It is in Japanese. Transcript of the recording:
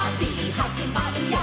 はじまるよ」